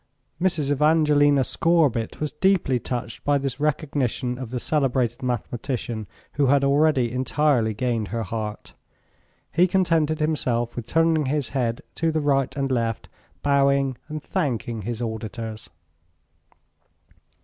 Mrs. Evangelina Scorbitt was deeply touched by this recognition of the celebrated mathematician, who had already entirely gained her heart. He contented himself with turning his head to the right and left, bowing and thanking his auditors.